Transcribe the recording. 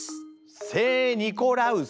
聖・ニコラウス？